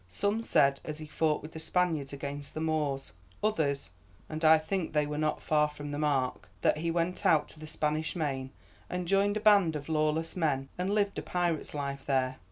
Some said as he fought with the Spaniards against the Moors; others, and I think they were not far from the mark, that he went out to the Spanish Main, and joined a band of lawless men, and lived a pirate's life there.